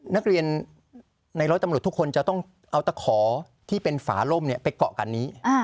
นักเรียนในร้อยตำรวจทุกคนจะต้องเอาตะขอที่เป็นฝาล่มไปเกาะกันนี้